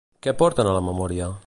Què porten a la memòria?